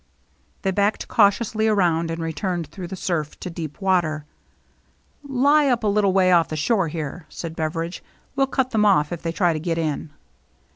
They backed cautiously around and returned through the surf to deep water. "Lie up a little way off the shore here," said Beveridge; "we'll cut them off if they try to get in."